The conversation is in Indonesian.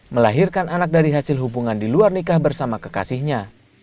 melahirkan anak dari hasil hubungan di luar nikah bersama kekasihnya